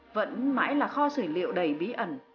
vẫn mãi là kho sử liệu đầy bí ẩn